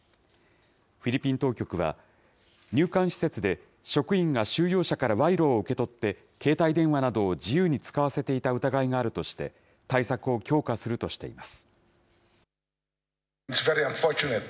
フィリピン当局は、入管施設で職員が収容者から賄賂を受け取って、携帯電話などを自由に使わせていた疑いがあるとして、対策を強化するとしています。